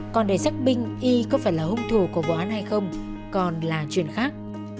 còn đề xác minh y có phải là hung thủ của vụ án hay không còn là chuyện khác